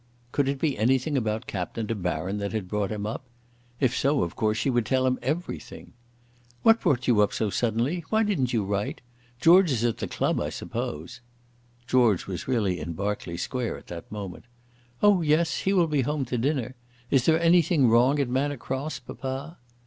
Could it be anything about Captain De Baron that had brought him up? If so, of course she would tell him everything. "What brought you up so suddenly? Why didn't you write? George is at the club, I suppose." George was really in Berkeley Square at that moment. "Oh, yes; he will be home to dinner. Is there anything wrong at Manor Cross, papa?"